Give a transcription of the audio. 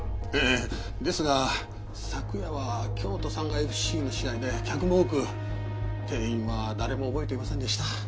ええですが昨夜は京都サンガＦ．Ｃ．の試合で客も多く店員は誰も覚えていませんでした。